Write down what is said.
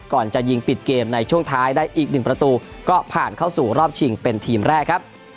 ก่อนจะยิงปิดเกมในช่วงท้ายได้อีกหนึ่งประตูก็ผ่านเข้าสู่รอบชิงเป็นทีมแรกครับ